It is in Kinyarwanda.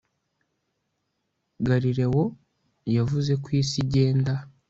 Galileo yavuze ko isi igenda